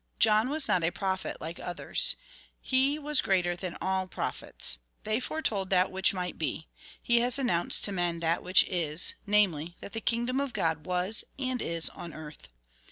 John was not a prophet like others. He was greater than all prophets. They foretold that which might be. He has announced to men that which is, namely, that the kingdom of God was, and is, on earth.